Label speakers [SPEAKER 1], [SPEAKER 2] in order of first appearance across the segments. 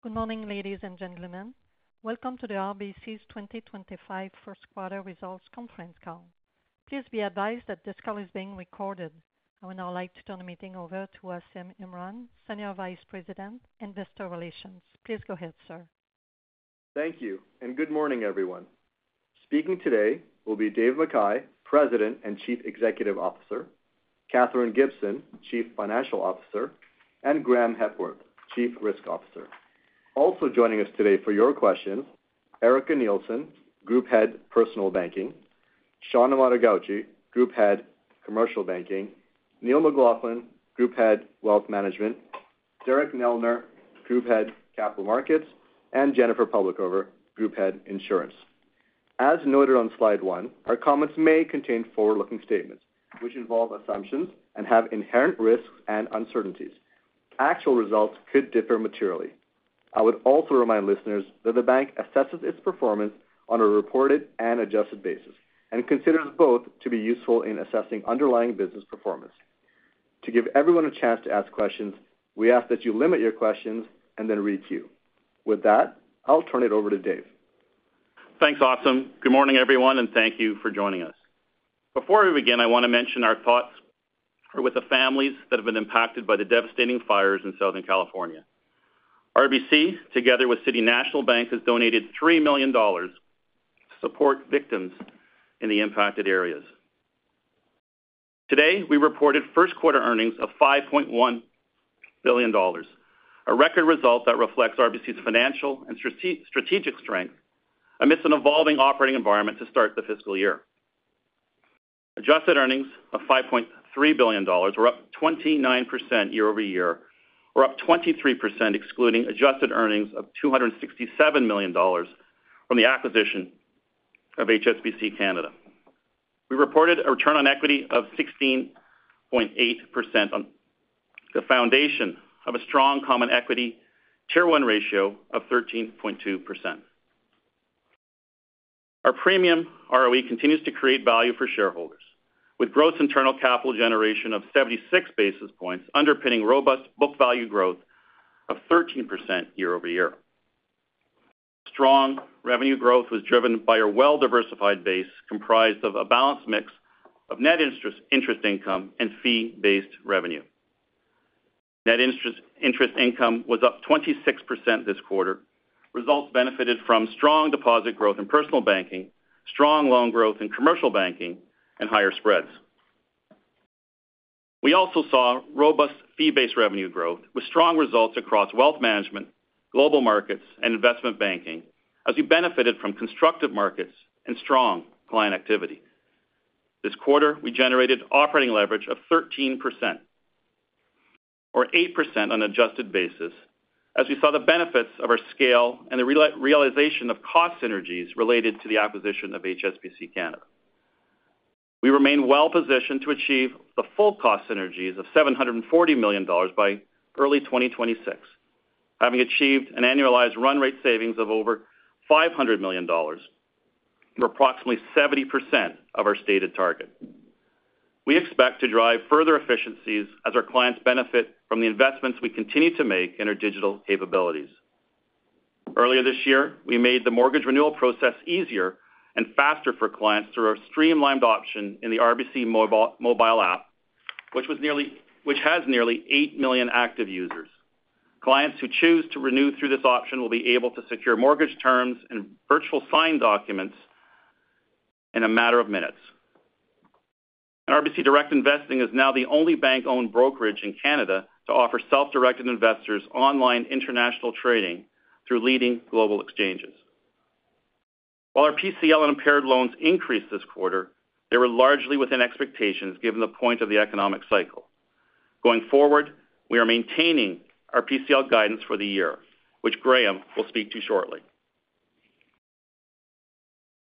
[SPEAKER 1] Good morning, ladies and gentlemen. Welcome to the RBC's 2025 Q1 Results Conference Call. Please be advised that this call is being recorded. I would now like to turn the meeting over to Asim Imran, Senior Vice President, Investor Relations. Please go ahead, sir.
[SPEAKER 2] Thank you, and good morning, everyone. Speaking today will be Dave McKay, President and Chief Executive Officer, Katherine Gibson, Chief Financial Officer, and Graeme Hepworth, Chief Risk Officer. Also joining us today for your questions, Erica Nielsen, Group Head, Personal Banking, Sean Amato-Gauci, Group Head, Commercial Banking, Neil McLaughlin, Group Head, Wealth Management, Derek Neldner, Group Head, Capital Markets, and Jennifer Publicover, Group Head, Insurance. As noted on slide one, our comments may contain forward-looking statements, which involve assumptions and have inherent risks and uncertainties. Actual results could differ materially. I would also remind listeners that the bank assesses its performance on a reported and adjusted basis and considers both to be useful in assessing underlying business performance. To give everyone a chance to ask questions, we ask that you limit your questions and then re-queue. With that, I'll turn it over to Dave.
[SPEAKER 3] Thanks, Asim. Good morning, everyone, and thank you for joining us. Before we begin, I want to mention our thoughts with the families that have been impacted by the devastating fires in Southern California. RBC, together with City National Bank, has donated $3 million to support victims in the impacted areas. Today, we reported Q1 earnings of $5.1 billion, a record result that reflects RBC's financial and strategic strength amidst an evolving operating environment to start the fiscal year. Adjusted earnings of $5.3 billion were up 29% year over year, or up 23%, excluding adjusted earnings of $267 million from the acquisition of HSBC Canada. We reported a return on equity of 16.8%, the foundation of a strong Common Equity Tier 1 ratio of 13.2%. Our premium ROE continues to create value for shareholders, with gross internal capital generation of 76 basis points underpinning robust book value growth of 13% year over year. Strong revenue growth was driven by a well-diversified base comprised of a balanced mix of net interest income and fee-based revenue. Net interest income was up 26% this quarter. Results benefited from strong deposit growth in personal banking, strong loan growth in commercial banking, and higher spreads. We also saw robust fee-based revenue growth with strong results across wealth management, global markets, and investment banking, as we benefited from constructive markets and strong client activity. This quarter, we generated operating leverage of 13%, or 8% on an adjusted basis, as we saw the benefits of our scale and the realization of cost synergies related to the acquisition of HSBC Canada. We remain well-positioned to achieve the full cost synergies of $740 million by early 2026, having achieved an annualized run rate savings of over $500 million, or approximately 70% of our stated target. We expect to drive further efficiencies as our clients benefit from the investments we continue to make in our digital capabilities. Earlier this year, we made the mortgage renewal process easier and faster for clients through our streamlined option in the RBC Mobile App, which has nearly eight million active users. Clients who choose to renew through this option will be able to secure mortgage terms and virtual signed documents in a matter of minutes. RBC Direct Investing is now the only bank-owned brokerage in Canada to offer self-directed investors online international trading through leading global exchanges. While our PCL and impaired loans increased this quarter, they were largely within expectations given the point of the economic cycle. Going forward, we are maintaining our PCL guidance for the year, which Graeme will speak to shortly.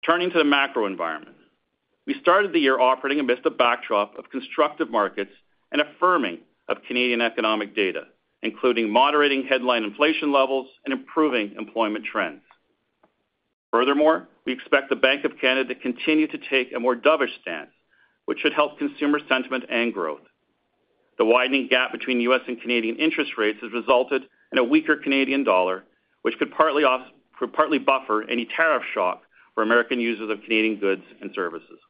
[SPEAKER 3] Turning to the macro environment, we started the year operating amidst a backdrop of constructive markets and affirming of Canadian economic data, including moderating headline inflation levels and improving employment trends. Furthermore, we expect the Bank of Canada to continue to take a more dovish stance, which should help consumer sentiment and growth. The widening gap between U.S. and Canadian interest rates has resulted in a weaker Canadian dollar, which could partly buffer any tariff shock for American users of Canadian goods and services.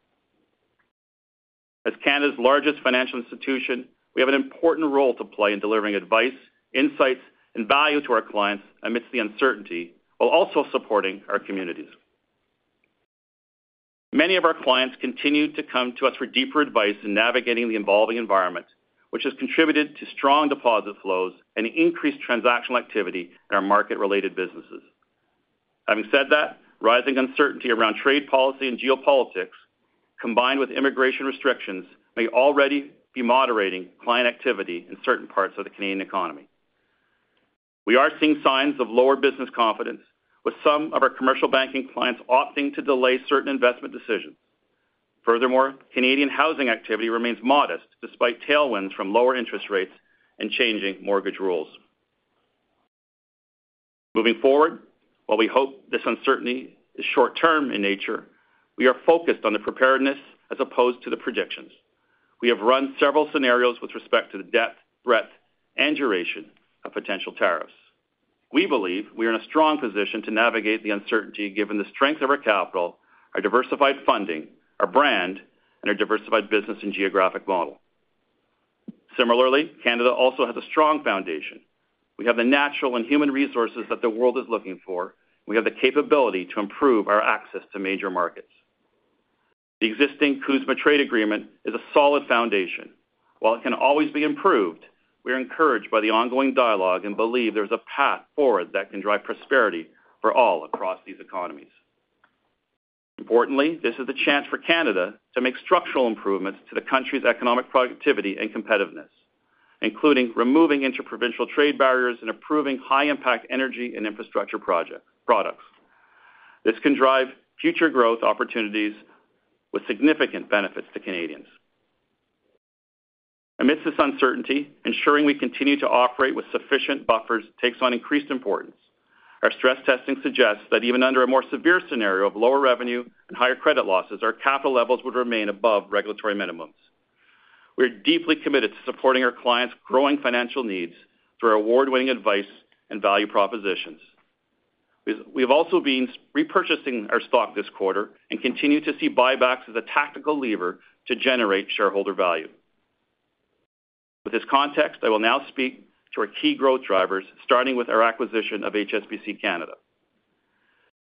[SPEAKER 3] As Canada's largest financial institution, we have an important role to play in delivering advice, insights, and value to our clients amidst the uncertainty, while also supporting our communities. Many of our clients continue to come to us for deeper advice in navigating the evolving environment, which has contributed to strong deposit flows and increased transactional activity in our market-related businesses. Having said that, rising uncertainty around trade policy and geopolitics, combined with immigration restrictions, may already be moderating client activity in certain parts of the Canadian economy. We are seeing signs of lower business confidence, with some of our commercial banking clients opting to delay certain investment decisions. Furthermore, Canadian housing activity remains modest despite tailwinds from lower interest rates and changing mortgage rules. Moving forward, while we hope this uncertainty is short-term in nature, we are focused on the preparedness as opposed to the predictions. We have run several scenarios with respect to the depth, breadth, and duration of potential tariffs. We believe we are in a strong position to navigate the uncertainty given the strength of our capital, our diversified funding, our brand, and our diversified business and geographic model. Similarly, Canada also has a strong foundation. We have the natural and human resources that the world is looking for, and we have the capability to improve our access to major markets. The existing CUSMA trade agreement is a solid foundation. While it can always be improved, we are encouraged by the ongoing dialogue and believe there is a path forward that can drive prosperity for all across these economies. Importantly, this is the chance for Canada to make structural improvements to the country's economic productivity and competitiveness, including removing interprovincial trade barriers and approving high-impact energy and infrastructure products. This can drive future growth opportunities with significant benefits to Canadians. Amidst this uncertainty, ensuring we continue to operate with sufficient buffers takes on increased importance. Our stress testing suggests that even under a more severe scenario of lower revenue and higher credit losses, our capital levels would remain above regulatory minimums. We are deeply committed to supporting our clients' growing financial needs through our award-winning advice and value propositions. We have also been repurchasing our stock this quarter and continue to see buybacks as a tactical lever to generate shareholder value. With this context, I will now speak to our key growth drivers, starting with our acquisition of HSBC Canada.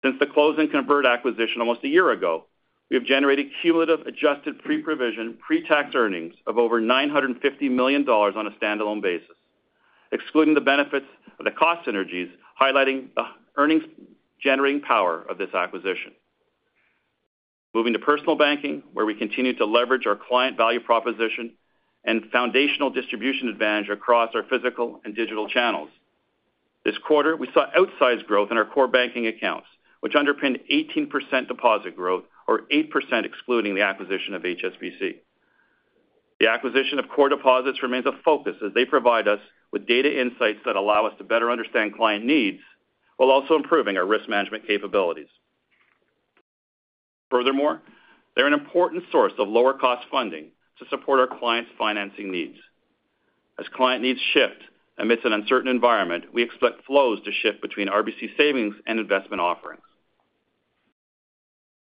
[SPEAKER 3] Since the HSBC Canada acquisition almost a year ago, we have generated cumulative adjusted pre-provision pretax earnings of over $950 million on a standalone basis, excluding the benefits of the cost synergies highlighting the earnings-generating power of this acquisition. Moving to Personal Banking, where we continue to leverage our client value proposition and foundational distribution advantage across our physical and digital channels. This quarter, we saw outsized growth in our core banking accounts, which underpinned 18% deposit growth, or 8% excluding the acquisition of HSBC. The acquisition of core deposits remains a focus as they provide us with data insights that allow us to better understand client needs while also improving our risk management capabilities. Furthermore, they are an important source of lower-cost funding to support our clients' financing needs. As client needs shift amidst an uncertain environment, we expect flows to shift between RBC savings and investment offerings.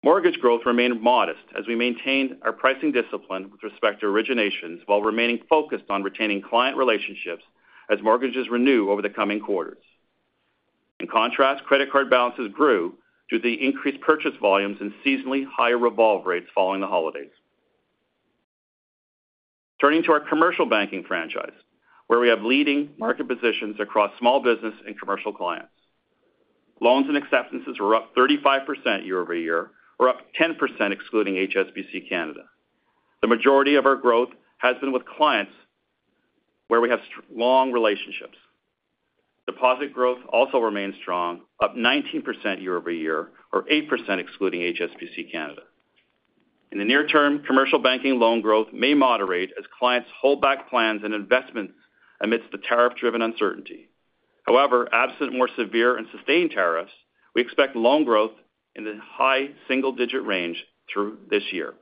[SPEAKER 3] Mortgage growth remained modest as we maintained our pricing discipline with respect to originations while remaining focused on retaining client relationships as mortgages renew over the coming quarters. In contrast, credit card balances grew due to the increased purchase volumes and seasonally higher revolve rates following the holidays. Turning to our commercial banking franchise, where we have leading market positions across small business and commercial clients. Loans and acceptances were up 35% year over year, or up 10%, excluding HSBC Canada. The majority of our growth has been with clients where we have long relationships. Deposit growth also remained strong, up 19% year over year, or 8%, excluding HSBC Canada. In the near term, commercial banking loan growth may moderate as clients hold back plans and investments amidst the tariff-driven uncertainty. However, absent more severe and sustained tariffs, we expect loan growth in the high single-digit range through this year,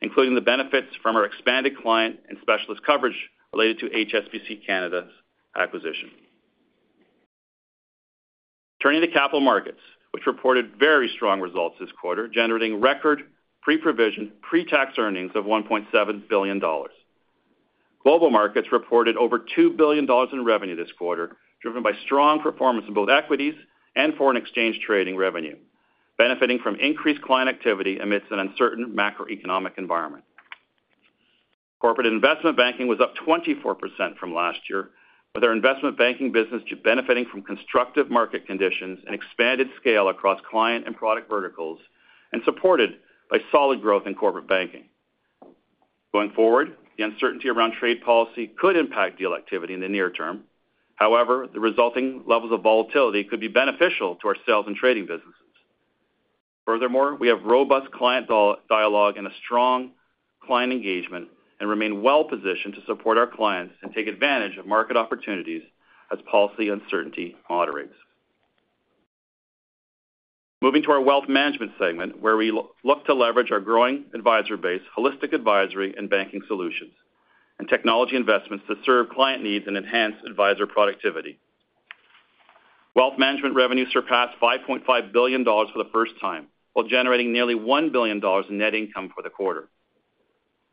[SPEAKER 3] including the benefits from our expanded client and specialist coverage related to HSBC Canada's acquisition. Turning to capital markets, which reported very strong results this quarter, generating record pre-provision pretax earnings of $1.7 billion. Global markets reported over 2 billion dollars in revenue this quarter, driven by strong performance in both equities and foreign exchange trading revenue, benefiting from increased client activity amidst an uncertain macroeconomic environment. Corporate investment banking was up 24% from last year, with our investment banking business benefiting from constructive market conditions and expanded scale across client and product verticals, and supported by solid growth in corporate banking. Going forward, the uncertainty around trade policy could impact deal activity in the near term. However, the resulting levels of volatility could be beneficial to our sales and trading businesses. Furthermore, we have robust client dialogue and a strong client engagement and remain well-positioned to support our clients and take advantage of market opportunities as policy uncertainty moderates. Moving to our wealth management segment, where we look to leverage our growing advisory base, holistic advisory and banking solutions, and technology investments to serve client needs and enhance advisory productivity. Wealth management revenue surpassed $5.5 billion for the first time, while generating nearly $1 billion in net income for the quarter.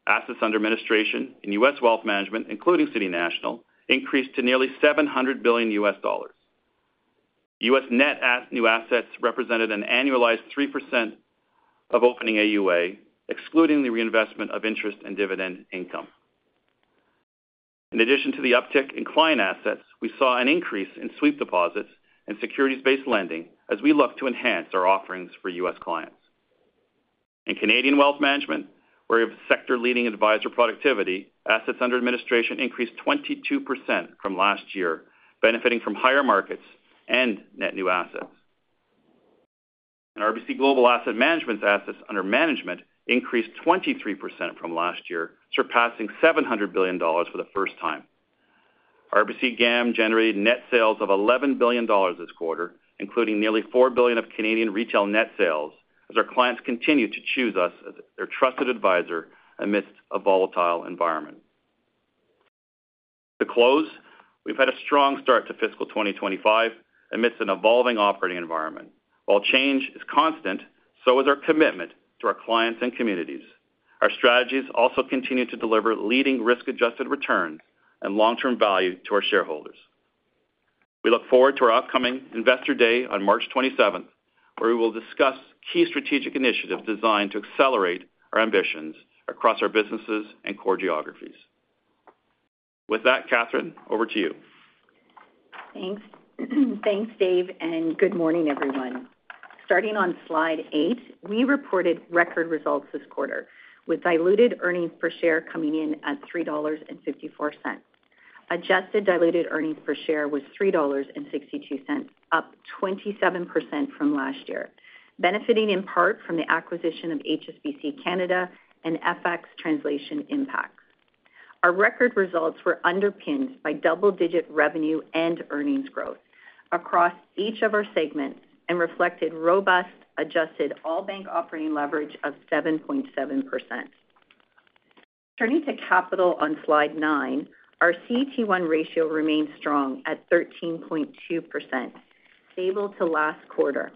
[SPEAKER 3] Assets under administration in U.S. wealth management, including City National, increased to nearly $700 billion. U.S. net new assets represented an annualized 3% of opening AUA, excluding the reinvestment of interest and dividend income. In addition to the uptick in client assets, we saw an increase in sweep deposits and securities-based lending as we look to enhance our offerings for U.S. clients. In Canadian wealth management, where we have sector-leading advisory productivity, assets under administration increased 22% from last year, benefiting from higher markets and net new assets. In RBC Global Asset Management, assets under management increased 23% from last year, surpassing $700 billion for the first time. RBC GAM generated net sales of $11 billion this quarter, including nearly 4 billion of Canadian retail net sales, as our clients continue to choose us as their trusted advisor amidst a volatile environment. To close, we've had a strong start to fiscal 2025 amidst an evolving operating environment. While change is constant, so is our commitment to our clients and communities. Our strategies also continue to deliver leading risk-adjusted returns and long-term value to our shareholders. We look forward to our upcoming Investor Day on March 27th, where we will discuss key strategic initiatives designed to accelerate our ambitions across our businesses and core geographies. With that, Katherine, over to you.
[SPEAKER 4] Thanks. Thanks, Dave, and good morning, everyone. Starting on slide eight, we reported record results this quarter, with diluted earnings per share coming in at $3.54. Adjusted diluted earnings per share was $3.62, up 27% from last year, benefiting in part from the acquisition of HSBC Canada and FX translation impacts. Our record results were underpinned by double-digit revenue and earnings growth across each of our segments and reflected robust adjusted all-bank operating leverage of 7.7%. Turning to capital on slide nine, our CET1 ratio remained strong at 13.2%, stable to last quarter.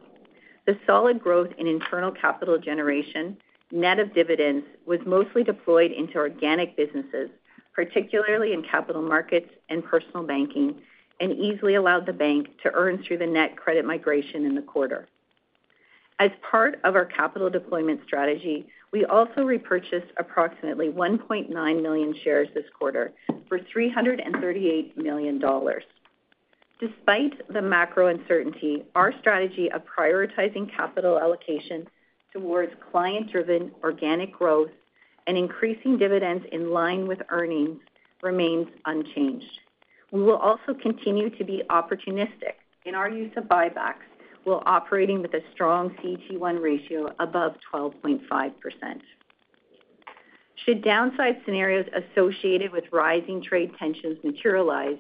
[SPEAKER 4] The solid growth in internal capital generation net of dividends was mostly deployed into organic businesses, particularly in capital markets and personal banking, and easily allowed the bank to earn through the net credit migration in the quarter. As part of our capital deployment strategy, we also repurchased approximately 1.9 million shares this quarter for $338 million. Despite the macro uncertainty, our strategy of prioritizing capital allocation towards client-driven organic growth and increasing dividends in line with earnings remains unchanged. We will also continue to be opportunistic in our use of buybacks while operating with a strong CET1 ratio above 12.5%. Should downside scenarios associated with rising trade tensions materialize,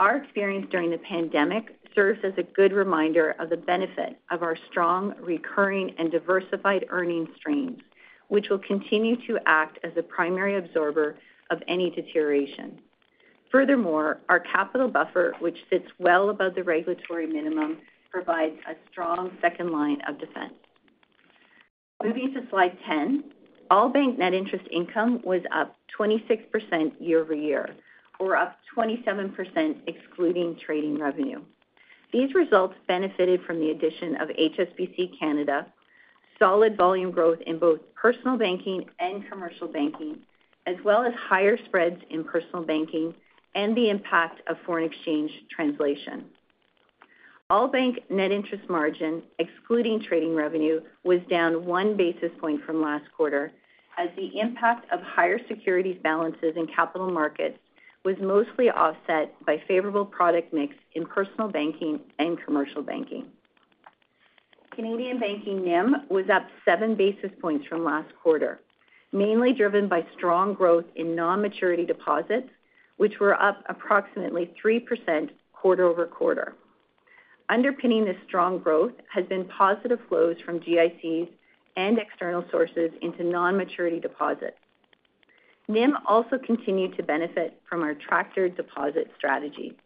[SPEAKER 4] our experience during the pandemic serves as a good reminder of the benefit of our strong, recurring, and diversified earnings streams, which will continue to act as the primary absorber of any deterioration. Furthermore, our capital buffer, which sits well above the regulatory minimum, provides a strong second line of defense. Moving to slide ten, all-bank net interest income was up 26% year over year, or up 27%, excluding trading revenue. These results benefited from the addition of HSBC Canada's solid volume growth in both personal banking and commercial banking, as well as higher spreads in personal banking and the impact of foreign exchange translation. All-bank net interest margin, excluding trading revenue, was down one basis point from last quarter, as the impact of higher securities balances in capital markets was mostly offset by favorable product mix in personal banking and commercial banking. Canadian banking NIM was up seven basis points from last quarter, mainly driven by strong growth in non-maturity deposits, which were up approximately 3% quarter over quarter. Underpinning this strong growth has been positive flows from GICs and external sources into non-maturity deposits. NIM also continued to benefit from our attractor deposit strategy.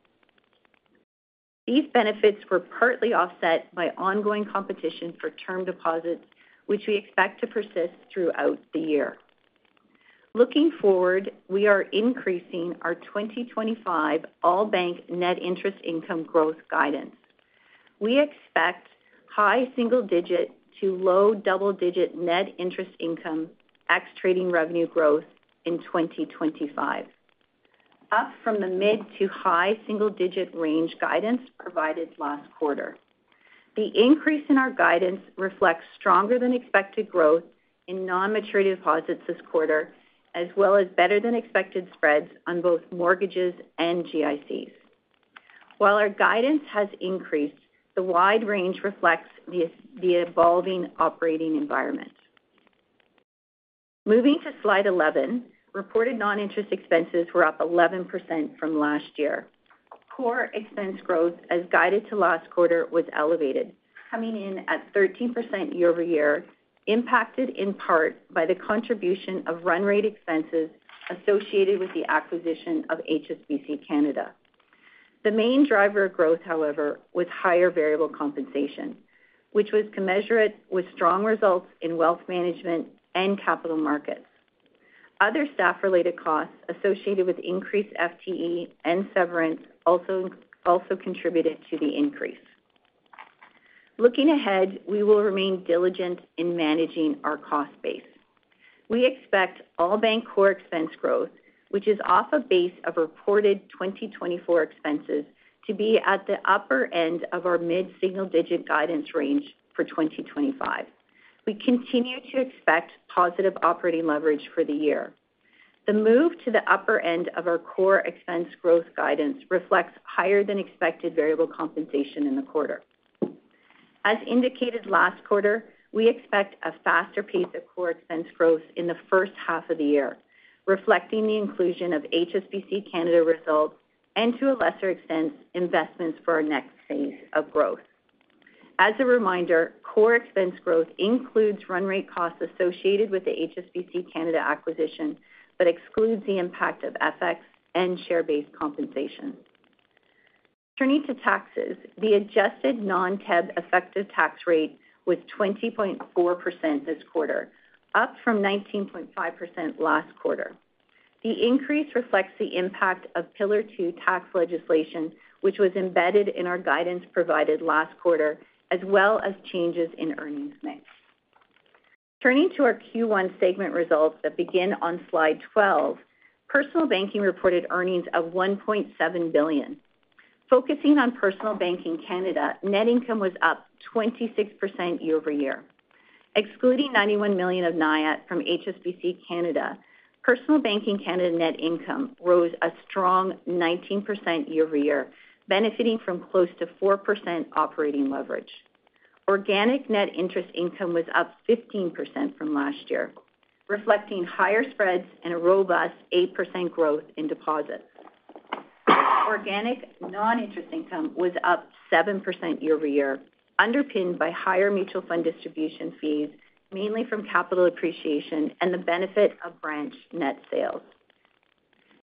[SPEAKER 4] These benefits were partly offset by ongoing competition for term deposits, which we expect to persist throughout the year. Looking forward, we are increasing our 2025 all-bank net interest income growth guidance. We expect high single-digit to low double-digit net interest income ex-trading revenue growth in 2025, up from the mid to high single-digit range guidance provided last quarter. The increase in our guidance reflects stronger than expected growth in non-maturity deposits this quarter, as well as better than expected spreads on both mortgages and GICs. While our guidance has increased, the wide range reflects the evolving operating environment. Moving to slide eleven, reported non-interest expenses were up 11% from last year. Core expense growth, as guided to last quarter, was elevated, coming in at 13% year over year, impacted in part by the contribution of run rate expenses associated with the acquisition of HSBC Canada. The main driver of growth, however, was higher variable compensation, which was commensurate with strong results in wealth management and capital markets. Other staff-related costs associated with increased FTE and severance also contributed to the increase. Looking ahead, we will remain diligent in managing our cost base. We expect all-bank core expense growth, which is off a base of reported 2024 expenses, to be at the upper end of our mid-single-digit guidance range for 2025. We continue to expect positive operating leverage for the year. The move to the upper end of our core expense growth guidance reflects higher than expected variable compensation in the quarter. As indicated last quarter, we expect a faster pace of core expense growth in the first half of the year, reflecting the inclusion of HSBC Canada results and, to a lesser extent, investments for our next phase of growth. As a reminder, core expense growth includes run rate costs associated with the HSBC Canada acquisition but excludes the impact of FX and share-based compensation. Turning to taxes, the adjusted non-TEB effective tax rate was 20.4% this quarter, up from 19.5% last quarter. The increase reflects the impact of Pillar Two tax legislation, which was embedded in our guidance provided last quarter, as well as changes in earnings mix. Turning to our Q1 segment results that begin on slide 12, personal banking reported earnings of 1.7 billion. Focusing on personal banking Canada, net income was up 26% year over year. Excluding 91 million of NIAT from HSBC Canada, Personal Banking Canada net income rose a strong 19% year over year, benefiting from close to 4% operating leverage. Organic net interest income was up 15% from last year, reflecting higher spreads and a robust 8% growth in deposits. Organic non-interest income was up 7% year over year, underpinned by higher mutual fund distribution fees, mainly from capital appreciation and the benefit of branch net sales.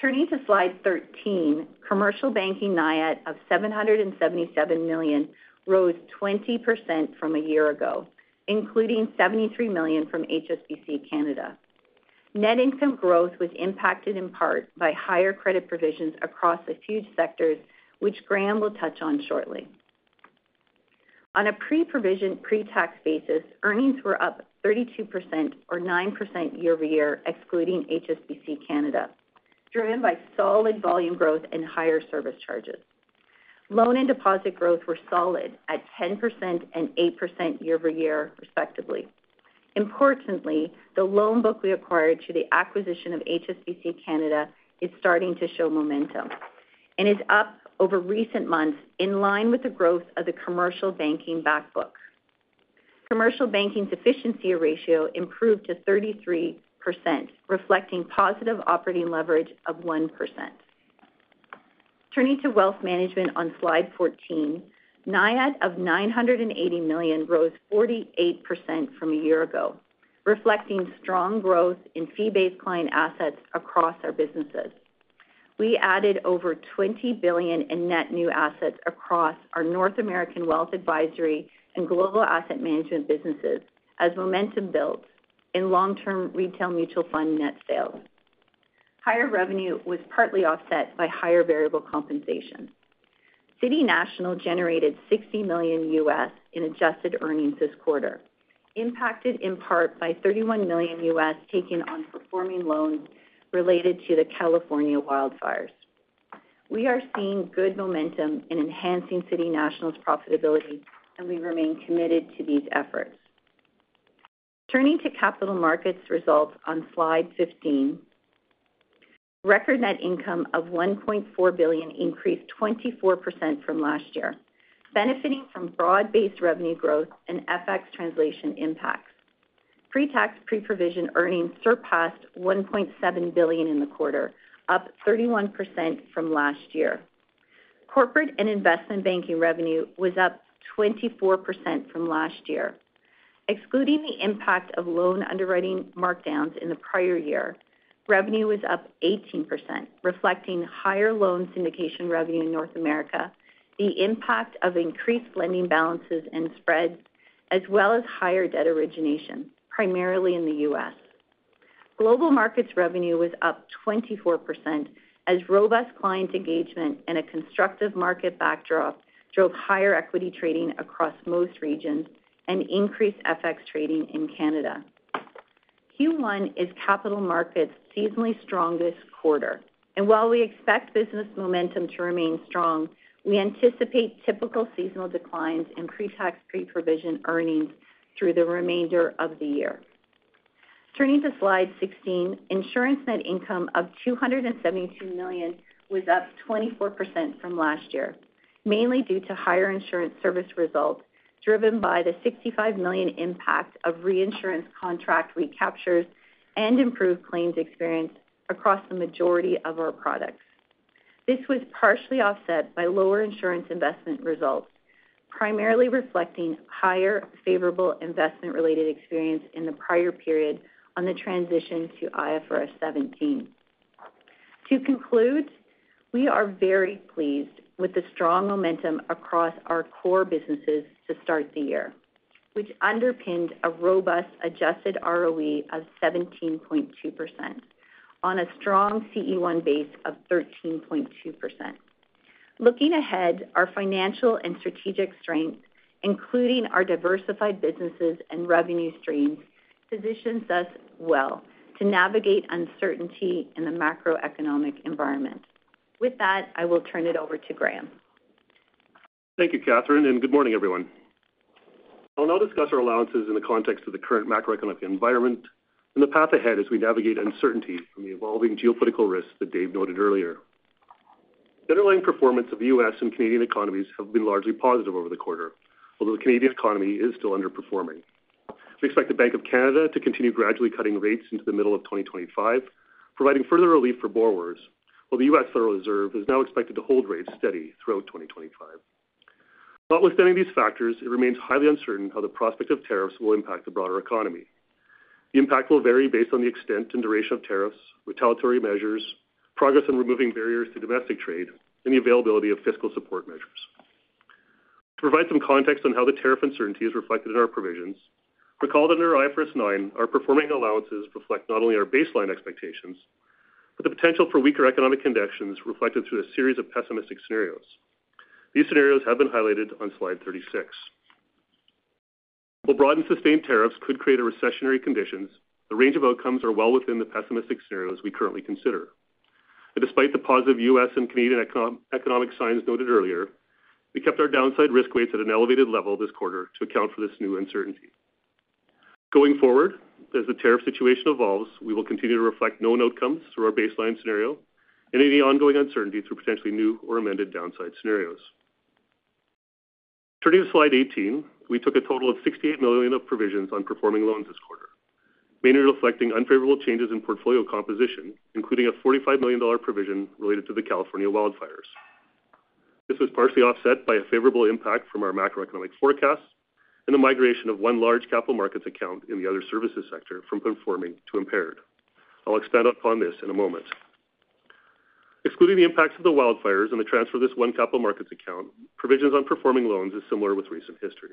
[SPEAKER 4] Turning to slide thirteen, Commercial Banking NIAT of 777 million rose 20% from a year ago, including 73 million from HSBC Canada. Net income growth was impacted in part by higher credit provisions across a few sectors, which Graeme will touch on shortly. On a pre-provision pretax basis, earnings were up 32%, or 9% year over year, excluding HSBC Canada, driven by solid volume growth and higher service charges. Loan and deposit growth were solid at 10% and 8% year over year, respectively. Importantly, the loan book we acquired through the acquisition of HSBC Canada is starting to show momentum and is up over recent months, in line with the growth of the commercial banking backbook. Commercial banking's efficiency ratio improved to 33%, reflecting positive operating leverage of 1%. Turning to wealth management on slide fourteen, NIAT of 980 million rose 48% from a year ago, reflecting strong growth in fee-based client assets across our businesses. We added over 20 billion in net new assets across our North American Wealth Advisory and Global Asset Management businesses as momentum built in long-term retail mutual fund net sales. Higher revenue was partly offset by higher variable compensation. City National generated $60 million USD in adjusted earnings this quarter, impacted in part by $31 million USD taken on performing loans related to the California wildfires. We are seeing good momentum in enhancing City National's profitability, and we remain committed to these efforts. Turning to capital markets results on slide fifteen, record net income of 1.4 billion increased 24% from last year, benefiting from broad-based revenue growth and FX translation impacts. Pre-tax pre-provision earnings surpassed 1.7 billion in the quarter, up 31% from last year. Corporate and investment banking revenue was up 24% from last year. Excluding the impact of loan underwriting markdowns in the prior year, revenue was up 18%, reflecting higher loan syndication revenue in North America, the impact of increased lending balances and spreads, as well as higher debt origination, primarily in the U.S. Global markets revenue was up 24% as robust client engagement and a constructive market backdrop drove higher equity trading across most regions and increased FX trading in Canada. Q1 is capital markets' seasonally strongest quarter, and while we expect business momentum to remain strong, we anticipate typical seasonal declines in pre-tax pre-provision earnings through the remainder of the year. Turning to slide 16, insurance net income of 272 million was up 24% from last year, mainly due to higher insurance service results driven by the 65 million impact of reinsurance contract recaptures and improved claims experience across the majority of our products. This was partially offset by lower insurance investment results, primarily reflecting higher favorable investment-related experience in the prior period on the transition to IFRS 17. To conclude, we are very pleased with the strong momentum across our core businesses to start the year, which underpinned a robust adjusted ROE of 17.2% on a strong CET1 base of 13.2%. Looking ahead, our financial and strategic strength, including our diversified businesses and revenue streams, positions us well to navigate uncertainty in the macroeconomic environment. With that, I will turn it over to Graeme.
[SPEAKER 5] Thank you, Katherine, and good morning, everyone. I'll now discuss our allowances in the context of the current macroeconomic environment and the path ahead as we navigate uncertainty from the evolving geopolitical risks that Dave noted earlier. The underlying performance of the U.S. and Canadian economies has been largely positive over the quarter, although the Canadian economy is still underperforming. We expect the Bank of Canada to continue gradually cutting rates into the middle of 2025, providing further relief for borrowers, while the U.S. Federal Reserve is now expected to hold rates steady throughout 2025. Notwithstanding these factors, it remains highly uncertain how the prospect of tariffs will impact the broader economy. The impact will vary based on the extent and duration of tariffs, retaliatory measures, progress in removing barriers to domestic trade, and the availability of fiscal support measures. To provide some context on how the tariff uncertainty is reflected in our provisions, recall that under IFRS 9, our performing allowances reflect not only our baseline expectations but the potential for weaker economic conditions reflected through a series of pessimistic scenarios. These scenarios have been highlighted on slide thirty-six. While broad and sustained tariffs could create recessionary conditions, the range of outcomes is well within the pessimistic scenarios we currently consider. Despite the positive U.S. and Canadian economic signs noted earlier, we kept our downside risk weights at an elevated level this quarter to account for this new uncertainty. Going forward, as the tariff situation evolves, we will continue to reflect known outcomes through our baseline scenario and any ongoing uncertainty through potentially new or amended downside scenarios. Turning to slide eighteen, we took a total of 68 million of provisions on performing loans this quarter, mainly reflecting unfavorable changes in portfolio composition, including a $45 million provision related to the California wildfires. This was partially offset by a favorable impact from our macroeconomic forecasts and the migration of one large capital markets account in the other services sector from performing to impaired. I'll expand upon this in a moment. Excluding the impacts of the wildfires and the transfer of this one capital markets account, provisions on performing loans are similar with recent history.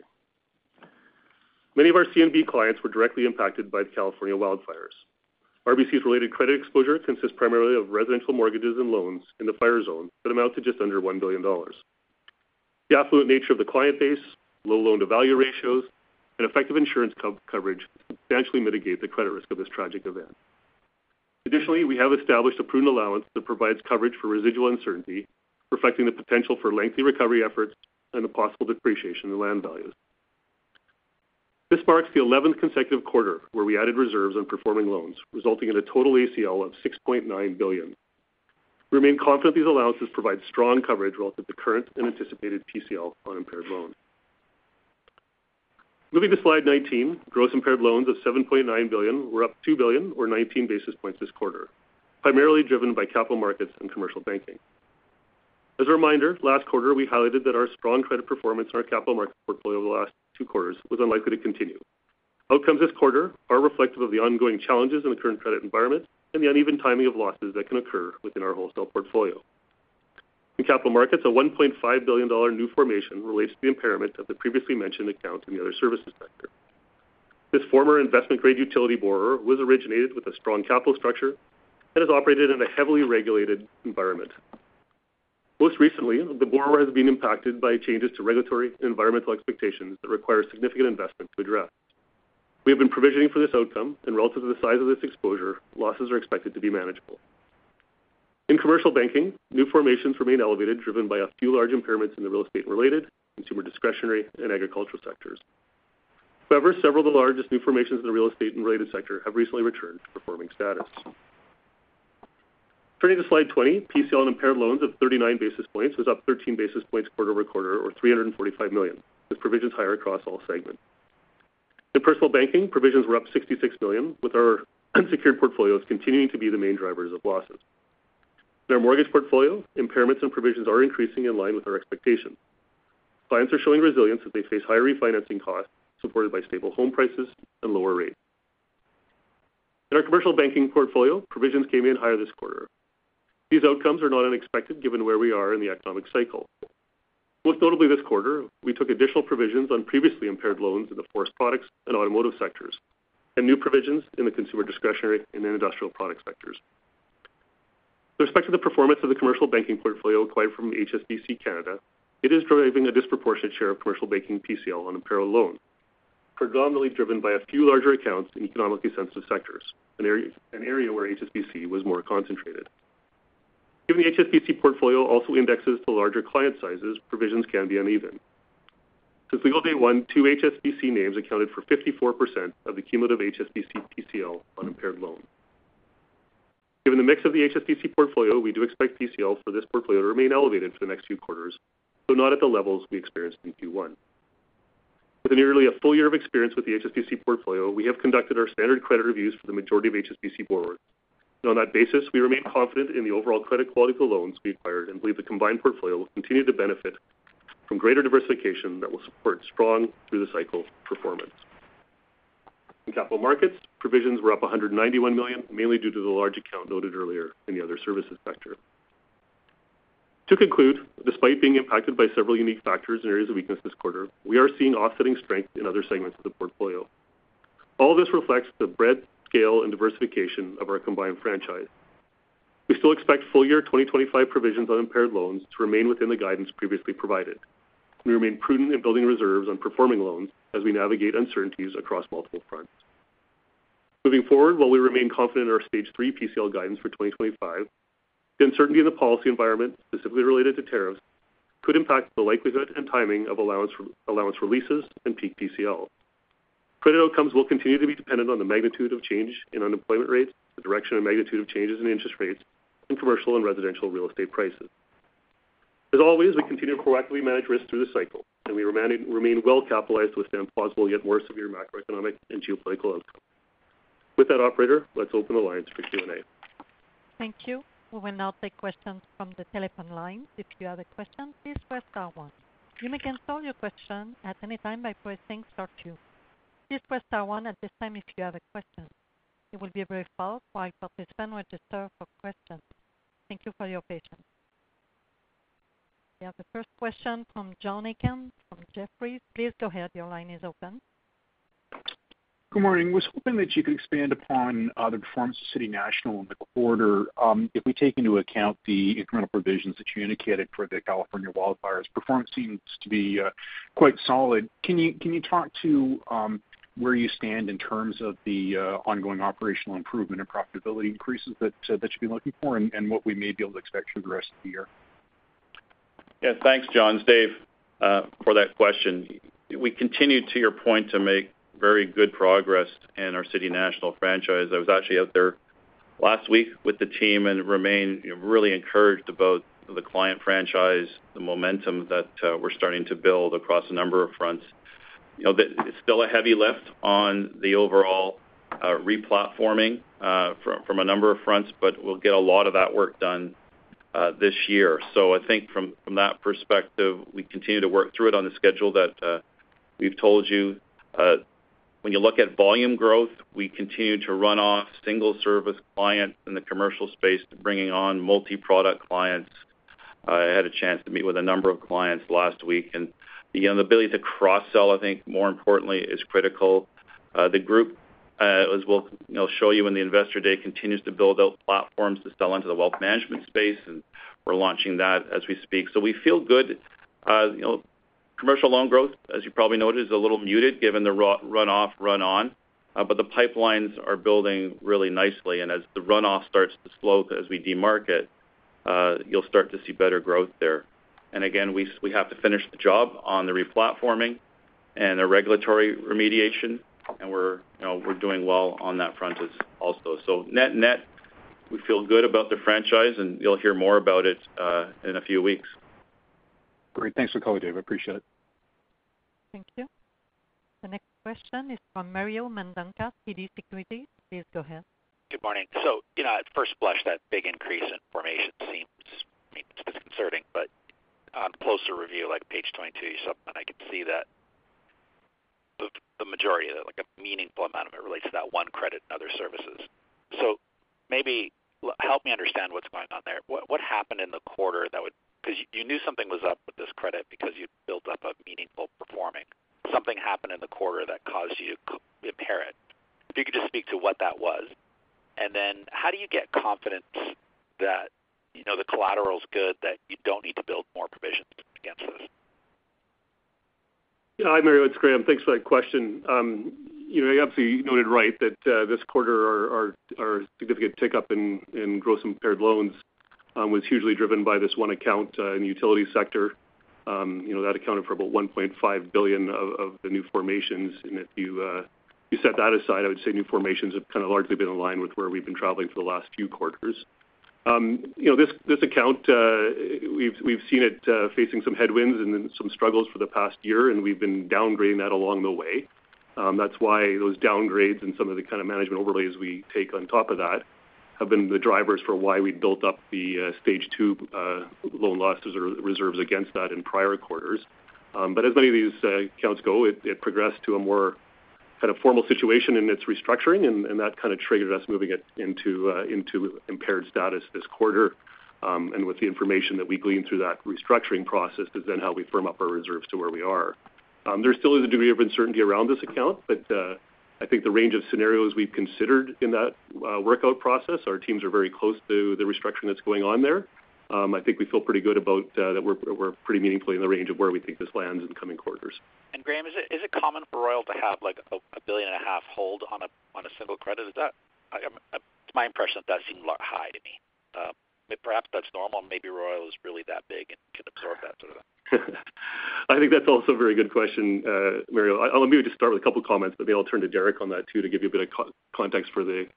[SPEAKER 5] Many of our CNB clients were directly impacted by the California wildfires. RBC's related credit exposure consists primarily of residential mortgages and loans in the fire zone that amount to just under $1 billion. The affluent nature of the client base, low loan-to-value ratios, and effective insurance coverage substantially mitigate the credit risk of this tragic event. Additionally, we have established a prudent allowance that provides coverage for residual uncertainty, reflecting the potential for lengthy recovery efforts and the possible depreciation in land values. This marks the eleventh consecutive quarter where we added reserves on performing loans, resulting in a total ACL of 6.9 billion. We remain confident these allowances provide strong coverage relative to current and anticipated PCL on impaired loans. Moving to slide 19, gross impaired loans of 7.9 billion were up 2 billion, or 19 basis points, this quarter, primarily driven by capital markets and commercial banking. As a reminder, last quarter we highlighted that our strong credit performance in our capital markets portfolio over the last two quarters was unlikely to continue. Outcomes this quarter are reflective of the ongoing challenges in the current credit environment and the uneven timing of losses that can occur within our wholesale portfolio. In capital markets, a $1.5 billion new formation relates to the impairment of the previously mentioned account in the other services sector. This former investment-grade utility borrower was originated with a strong capital structure and has operated in a heavily regulated environment. Most recently, the borrower has been impacted by changes to regulatory and environmental expectations that require significant investment to address. We have been provisioning for this outcome, and relative to the size of this exposure, losses are expected to be manageable. In commercial banking, new formations remain elevated, driven by a few large impairments in the real estate-related, consumer discretionary, and agricultural sectors. However, several of the largest new formations in the real estate-related sector have recently returned to performing status. Turning to Slide 20, PCL on impaired loans of 39 basis points was up 13 basis points quarter over quarter, or 345 million, with provisions higher across all segments. In personal banking, provisions were up 66 million, with our unsecured portfolios continuing to be the main drivers of losses. In our mortgage portfolio, impairments and provisions are increasing in line with our expectations. Clients are showing resilience as they face higher refinancing costs supported by stable home prices and lower rates. In our commercial banking portfolio, provisions came in higher this quarter. These outcomes are not unexpected given where we are in the economic cycle. Most notably this quarter, we took additional provisions on previously impaired loans in the forest products and automotive sectors and new provisions in the consumer discretionary and industrial product sectors. With respect to the performance of the commercial banking portfolio acquired from HSBC Canada, it is driving a disproportionate share of commercial banking PCL on impaired loans, predominantly driven by a few larger accounts in economically sensitive sectors, an area where HSBC was more concentrated. Given the HSBC portfolio also indexes to larger client sizes, provisions can be uneven. Since legal day one, two HSBC names accounted for 54% of the cumulative HSBC PCL on impaired loans. Given the mix of the HSBC portfolio, we do expect PCL for this portfolio to remain elevated for the next few quarters, though not at the levels we experienced in Q1. With nearly a full year of experience with the HSBC portfolio, we have conducted our standard credit reviews for the majority of HSBC borrowers. On that basis, we remain confident in the overall credit quality of the loans we acquired and believe the combined portfolio will continue to benefit from greater diversification that will support strong through-the-cycle performance. In Capital Markets, provisions were up 191 million, mainly due to the large account noted earlier in the other services sector. To conclude, despite being impacted by several unique factors and areas of weakness this quarter, we are seeing offsetting strength in other segments of the portfolio. All of this reflects the breadth, scale, and diversification of our combined franchise. We still expect full year 2025 provisions on impaired loans to remain within the guidance previously provided, and we remain prudent in building reserves on performing loans as we navigate uncertainties across multiple fronts. Moving forward, while we remain confident in our stage three PCL guidance for 2025, the uncertainty in the policy environment, specifically related to tariffs, could impact the likelihood and timing of allowance releases and peak PCL. Credit outcomes will continue to be dependent on the magnitude of change in unemployment rates, the direction and magnitude of changes in interest rates, and commercial and residential real estate prices. As always, we continue to proactively manage risk through the cycle, and we remain well-capitalized to withstand plausible yet more severe macroeconomic and geopolitical outcomes. With that, Operator, let's open the lines for Q&A.
[SPEAKER 1] Thank you. We will now take questions from the telephone line. If you have a question, please press star one. You may cancel your question at any time by pressing star two. Please press star one at this time if you have a question. It will be very fast while participants register for questions. Thank you for your patience. We have the first question from Jonathan from Jefferies. Please go ahead. Your line is open. Good morning. I was hoping that you could expand upon the performance of City National in the quarter. If we take into account the incremental provisions that you indicated for the California wildfires, performance seems to be quite solid. Can you talk to where you stand in terms of the ongoing operational improvement and profitability increases that you've been looking for and what we may be able to expect for the rest of the year?
[SPEAKER 3] Yeah, thanks, Jonathan, Dave, for that question. We continue, to your point, to make very good progress in our City National franchise. I was actually out there last week with the team and remain really encouraged about the client franchise, the momentum that we're starting to build across a number of fronts. It's still a heavy lift on the overall replatforming from a number of fronts, but we'll get a lot of that work done this year. So I think from that perspective, we continue to work through it on the schedule that we've told you. When you look at volume growth, we continue to run off single-service clients in the commercial space, bringing on multi-product clients. I had a chance to meet with a number of clients last week, and the ability to cross-sell, I think more importantly, is critical. The group, as we'll show you in the investor day, continues to build out platforms to sell into the wealth management space, and we're launching that as we speak. So we feel good. Commercial loan growth, as you probably noted, is a little muted given the run-off, run-on, but the pipelines are building really nicely. And as the run-off starts to slow as we demarket, you'll start to see better growth there. And again, we have to finish the job on the replatforming and the regulatory remediation, and we're doing well on that front as well. So net, net, we feel good about the franchise, and you'll hear more about it in a few weeks. Great. Thanks for calling, Dave. I appreciate it.
[SPEAKER 1] Thank you. The next question is from Mario Mendonca, TD Securities. Please go ahead.
[SPEAKER 6] Good morning. So at first blush, that big increase in provisions seems disconcerting, but on closer review, like page 22, you saw, I could see that the majority of it, like a meaningful amount of it relates to that one credit and other services. So maybe help me understand what's going on there. What happened in the quarter that would, because you knew something was up with this credit because you built up a meaningful performing, something happened in the quarter that caused you to impair it. If you could just speak to what that was. And then how do you get confidence that the collateral is good, that you don't need to build more provisions against this?
[SPEAKER 5] Yeah, hi, Mario. It's Graeme. Thanks for that question. You know, obviously, you noted right that this quarter our significant tick up in gross impaired loans was hugely driven by this one account in the utility sector. That accounted for about 1.5 billion of the new formations, and if you set that aside, I would say new formations have kind of largely been in line with where we've been traveling for the last few quarters. This account, we've seen it facing some headwinds and some struggles for the past year, and we've been downgrading that along the way. That's why those downgrades and some of the kind of management overlays we take on top of that have been the drivers for why we built up the Stage 2 loan loss reserves against that in prior quarters. As many of these accounts go, it progressed to a more kind of formal situation, and it's restructuring, and that kind of triggered us moving into impaired status this quarter. And with the information that we gleaned through that restructuring process, is then how we firm up our reserves to where we are. There still is a degree of uncertainty around this account, but I think the range of scenarios we've considered in that workout process, our teams are very close to the restructuring that's going on there. I think we feel pretty good about that we're pretty meaningfully in the range of where we think this lands in the coming quarters.
[SPEAKER 6] And Graeme, is it common for Royal to have like a $1.5 billion hold on a single credit? It's my impression that that seemed high to me. Perhaps that's normal, and maybe Royal is really that big and can absorb that sort of thing.
[SPEAKER 5] I think that's also a very good question, Mario. I'll maybe just start with a couple of comments, but maybe I'll turn to Derek on that too to give you a bit of context for the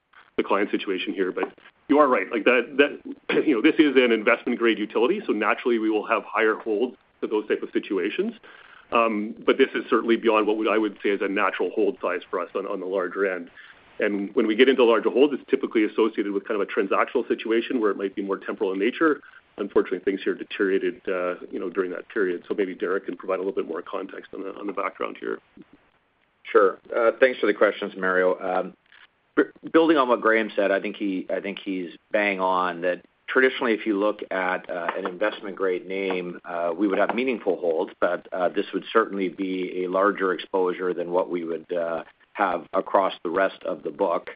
[SPEAKER 5] client situation here. But you are right. This is an investment-grade utility, so naturally we will have higher holds to those types of situations. But this is certainly beyond what I would say is a natural hold size for us on the larger end. And when we get into larger holds, it's typically associated with kind of a transactional situation where it might be more temporal in nature. Unfortunately, things here deteriorated during that period. So maybe Derek can provide a little bit more context on the background here.
[SPEAKER 3] Sure. Thanks for the questions, Mario. Building on what Graeme said, I think he's bang on that traditionally, if you look at an investment-grade name, we would have meaningful holds, but this would certainly be a larger exposure than what we would have across the rest of the book.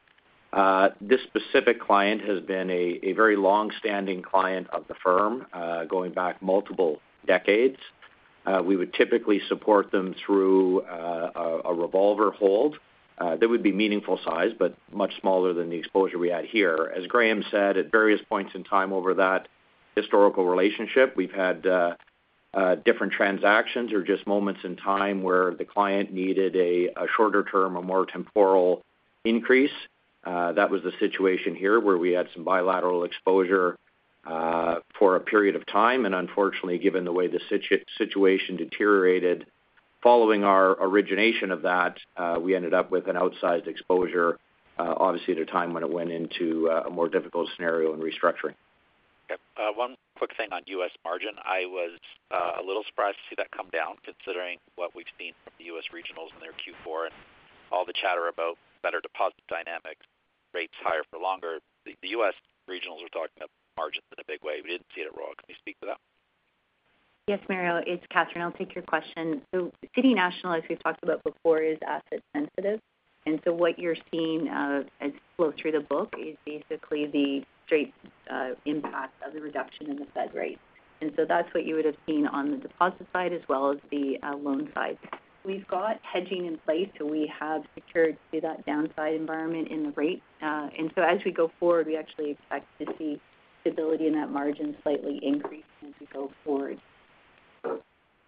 [SPEAKER 3] This specific client has been a very long-standing client of the firm going back multiple decades. We would typically support them through a revolver hold. That would be meaningful size, but much smaller than the exposure we had here. As Graeme said, at various points in time over that historical relationship, we've had different transactions or just moments in time where the client needed a shorter-term or more temporal increase. That was the situation here where we had some bilateral exposure for a period of time. Unfortunately, given the way the situation deteriorated following our origination of that, we ended up with an outsized exposure, obviously at a time when it went into a more difficult scenario and restructuring. One quick thing on U.S. margin. I was a little surprised to see that come down considering what we've seen from the U.S. regionals and their Q4 and all the chatter about better deposit dynamics, rates higher for longer. The U.S. regionals are talking about margins in a big way. We didn't see it at RBC. Can you speak to that?
[SPEAKER 4] Yes, Mario. It's Katherine. I'll take your question. So City National, as we've talked about before, is asset-sensitive. And so what you're seeing as flow through the book is basically the straight impact of the reduction in the Fed rate. And so that's what you would have seen on the deposit side as well as the loan side. We've got hedging in place, so we have secured through that downside environment in the rate. And so as we go forward, we actually expect to see stability in that margin slightly increase as we go forward.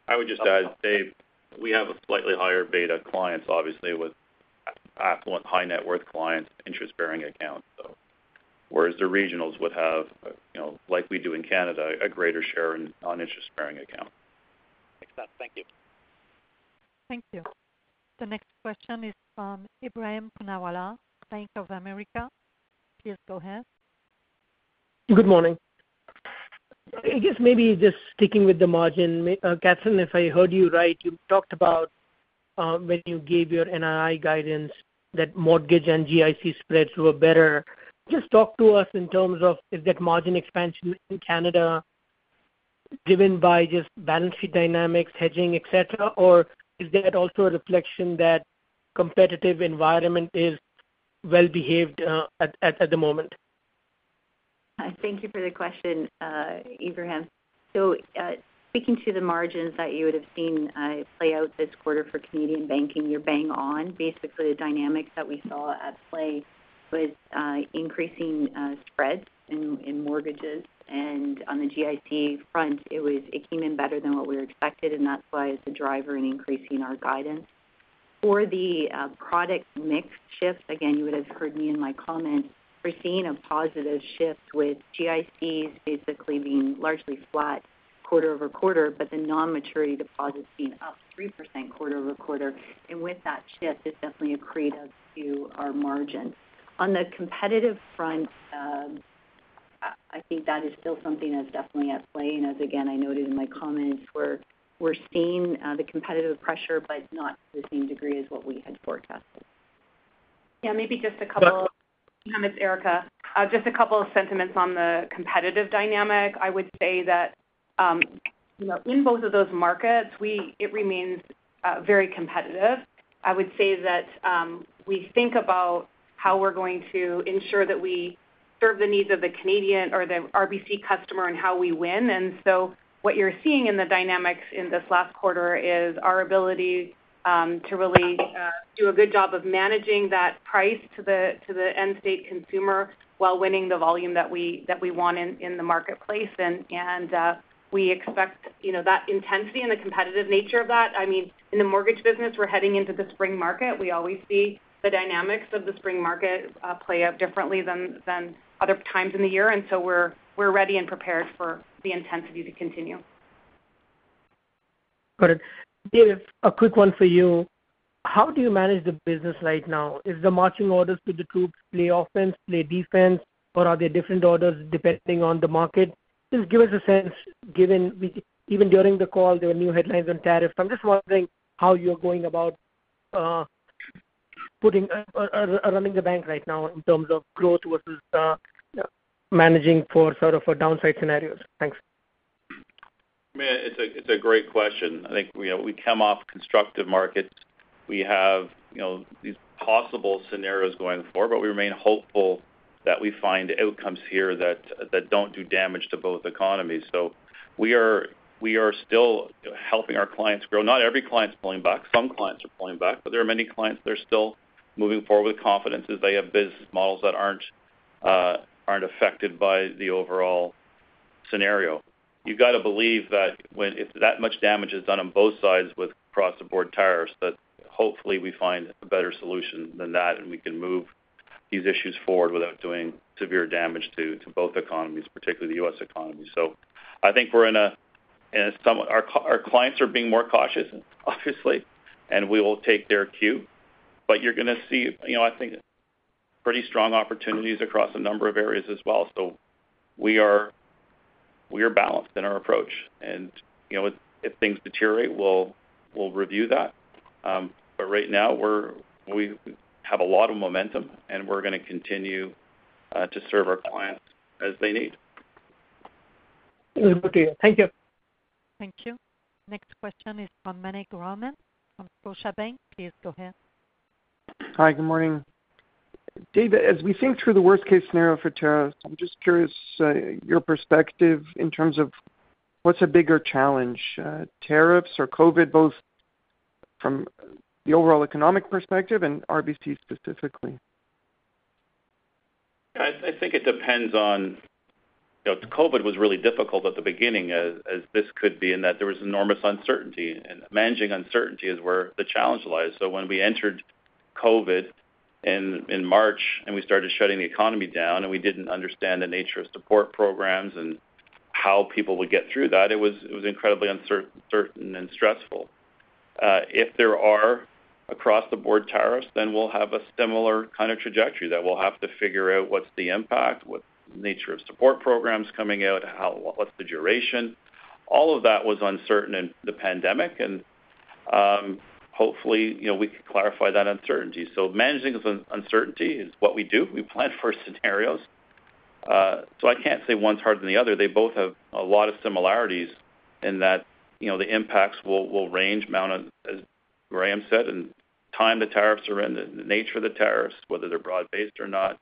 [SPEAKER 3] I would just add, Dave, we have a slightly higher beta clients, obviously, with affluent, high-net-worth clients, interest-bearing accounts. Whereas the regionals would have, like we do in Canada, a greater share in non-interest-bearing accounts.
[SPEAKER 6] Makes sense. Thank you.
[SPEAKER 1] Thank you. The next question is from Ebrahim Poonawala, Bank of America. Please go ahead.
[SPEAKER 7] Good morning. I guess maybe just sticking with the margin. Katherine, if I heard you right, you talked about when you gave your NII guidance that mortgage and GIC spreads were better. Just talk to us in terms of, is that margin expansion in Canada driven by just balance sheet dynamics, hedging, etc., or is that also a reflection that competitive environment is well-behaved at the moment?
[SPEAKER 4] Thank you for the question, Ebrahim. So speaking to the margins that you would have seen play out this quarter for Canadian banking, you're bang on. Basically, the dynamics that we saw at play was increasing spreads in mortgages. And on the GIC front, it came in better than what we were expected, and that's why it's a driver in increasing our guidance. For the product mix shift, again, you would have heard me in my comments, we're seeing a positive shift with GICs basically being largely flat quarter over quarter, but the non-maturity deposits being up 3% quarter over quarter. And with that shift, it's definitely an accretive to our margins. On the competitive front, I think that is still something that's definitely at play, and as again, I noted in my comments, we're seeing the competitive pressure, but not to the same degree as what we had forecasted. Yeah, maybe just a couple. I'm with Erica. Just a couple of sentiments on the competitive dynamic. I would say that in both of those markets, it remains very competitive. I would say that we think about how we're going to ensure that we serve the needs of the Canadian or the RBC customer and how we win. And so what you're seeing in the dynamics in this last quarter is our ability to really do a good job of managing that price to the end state consumer while winning the volume that we want in the marketplace. And we expect that intensity and the competitive nature of that. I mean, in the mortgage business, we're heading into the spring market. We always see the dynamics of the spring market play out differently than other times in the year. And so we're ready and prepared for the intensity to continue.
[SPEAKER 7] Got it. David, a quick one for you. How do you manage the business right now? Is the marching orders to the troops play offense, play defense, or are there different orders depending on the market? Just give us a sense, given even during the call, there were new headlines on tariffs. I'm just wondering how you're going about running the bank right now in terms of growth versus managing for sort of downside scenarios. Thanks.
[SPEAKER 3] It's a great question. I think we come off constructive markets. We have these possible scenarios going forward, but we remain hopeful that we find outcomes here that don't do damage to both economies, so we are still helping our clients grow. Not every client's pulling back. Some clients are pulling back, but there are many clients that are still moving forward with confidence as they have business models that aren't affected by the overall scenario. You've got to believe that if that much damage is done on both sides with across-the-board tariffs, that hopefully we find a better solution than that and we can move these issues forward without doing severe damage to both economies, particularly the U.S. economy, so I think we're in a, our clients are being more cautious, obviously, and we will take their cue, but you're going to see, I think, pretty strong opportunities across a number of areas as well. So we are balanced in our approach. And if things deteriorate, we'll review that. But right now, we have a lot of momentum, and we're going to continue to serve our clients as they need.
[SPEAKER 7] Thank you.
[SPEAKER 1] Thank you. Next question is from Meny Grauman from Scotiabank. Please go ahead.
[SPEAKER 8] Hi, good morning. David, as we think through the worst-case scenario for tariffs, I'm just curious your perspective in terms of what's a bigger challenge: tariffs or COVID, both from the overall economic perspective and RBC specifically?
[SPEAKER 3] I think it depends on. COVID was really difficult at the beginning, as this could be, in that there was enormous uncertainty, and managing uncertainty is where the challenge lies. So when we entered COVID in March and we started shutting the economy down, and we didn't understand the nature of support programs and how people would get through that, it was incredibly uncertain and stressful. If there are across-the-board tariffs, then we'll have a similar kind of trajectory that we'll have to figure out what's the impact, what's the nature of support programs coming out, what's the duration. All of that was uncertain in the pandemic, and hopefully we can clarify that uncertainty. So managing uncertainty is what we do. We plan for scenarios. So I can't say one's harder than the other. They both have a lot of similarities in that the impacts will range, as Graeme said, in time the tariffs are in, the nature of the tariffs, whether they're broad-based or not,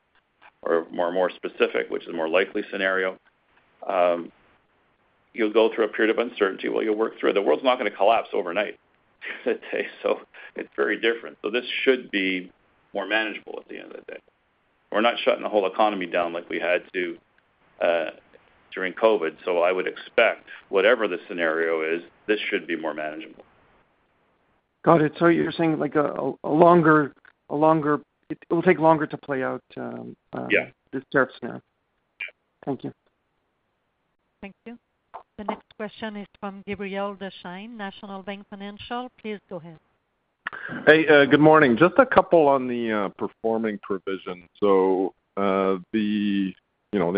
[SPEAKER 3] or more specific, which is a more likely scenario. You'll go through a period of uncertainty while you work through it. The world's not going to collapse overnight. So it's very different. So this should be more manageable at the end of the day. We're not shutting the whole economy down like we had to during COVID. So I would expect whatever the scenario is, this should be more manageable.
[SPEAKER 8] Got it. So you're saying a longer—it will take longer to play out this tariff scenario. Thank you.
[SPEAKER 1] Thank you. The next question is from Gabriel Dechaine, National Bank Financial. Please go ahead.
[SPEAKER 9] Hey, good morning. Just a couple on the performing provision. So the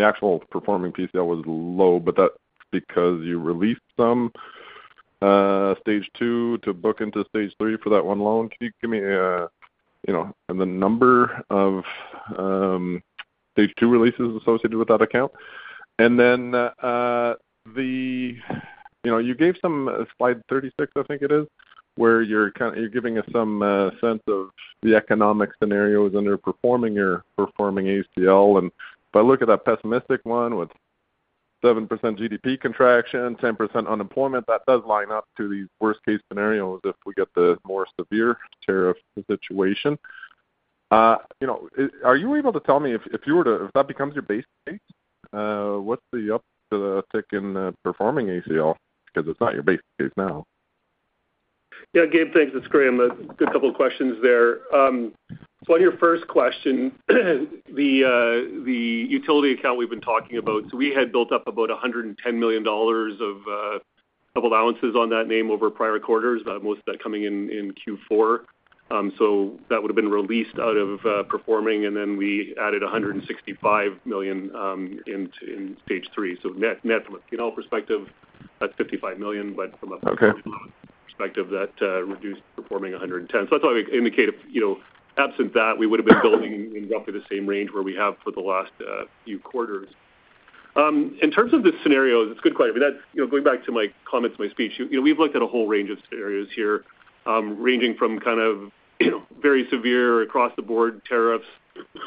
[SPEAKER 9] actual performing piece that was low, but that's because you released some stage two to book into stage three for that one loan. Can you give me the number of stage two releases associated with that account? And then you gave some slide 36, I think it is, where you're giving us some sense of the economic scenarios underperforming your performing ACL. And if I look at that pessimistic one with 7% GDP contraction, 10% unemployment, that does line up to the worst-case scenarios if we get the more severe tariff situation. Are you able to tell me if that becomes your base case, what's the uptick in performing ACL? Because it's not your base case now.
[SPEAKER 3] Yeah, Gabe, thanks. That's great. A couple of questions there. So on your first question, the utility account we've been talking about, so we had built up about 110 million dollars of allowances on that name over prior quarters, most of that coming in Q4. So that would have been released out of performing, and then we added 165 million in stage three. So net from a P&L perspective, that's 55 million, but from a performance perspective, that reduced performing 110. So that's why we indicated, absent that, we would have been building in roughly the same range where we have for the last few quarters. In terms of the scenarios, it's a good question. Going back to my comments in my speech, we've looked at a whole range of scenarios here, ranging from kind of very severe across-the-board tariffs,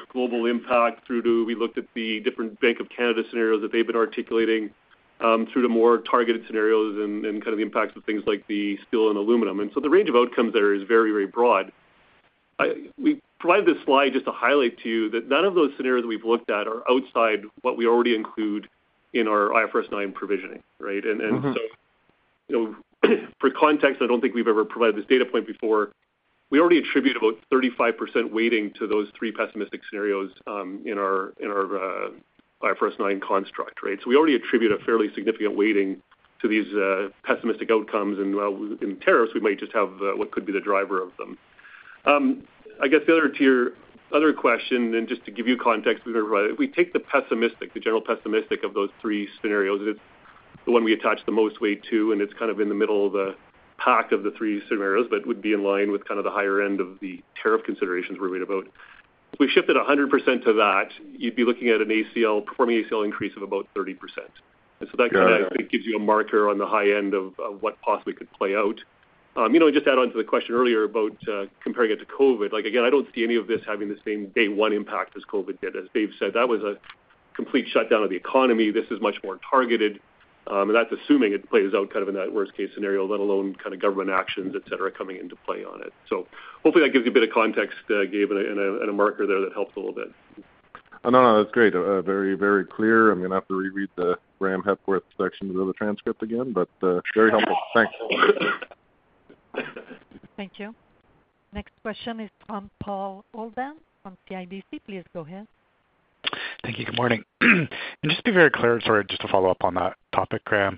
[SPEAKER 3] global impact, through to we looked at the different Bank of Canada scenarios that they've been articulating, through to more targeted scenarios and kind of the impacts of things like the steel and aluminum. And so the range of outcomes there is very, very broad. We provided this slide just to highlight to you that none of those scenarios that we've looked at are outside what we already include in our IFRS 9 provisioning, and so for context, I don't think we've ever provided this data point before. We already attribute about 35% weighting to those three pessimistic scenarios in our IFRS 9 construct, so we already attribute a fairly significant weighting to these pessimistic outcomes, and while in tariffs, we might just have what could be the driver of them. I guess the other question, and just to give you context, we take the pessimistic, the general pessimistic of those three scenarios. It's the one we attach the most weight to, and it's kind of in the middle of the pack of the three scenarios, but would be in line with kind of the higher end of the tariff considerations we're reading about. If we shifted 100% to that, you'd be looking at a performing ACL increase of about 30%. And so that kind of gives you a marker on the high end of what possibly could play out. Just add on to the question earlier about comparing it to COVID. Again, I don't see any of this having the same day-one impact as COVID did. As Dave said, that was a complete shutdown of the economy. This is much more targeted. And that's assuming it plays out kind of in that worst-case scenario, let alone kind of government actions, etc., coming into play on it. So hopefully that gives you a bit of context, Gabe, and a marker there that helps a little bit.
[SPEAKER 9] No, no, that's great. Very, very clear. I'm going to have to reread the Graeme Hepworth section of the transcript again, but very helpful. Thanks.
[SPEAKER 1] Thank you. Next question is from Paul Holden from CIBC. Please go ahead.
[SPEAKER 10] Thank you. Good morning. And just to be very clear, sorry, just to follow up on that topic, Graeme,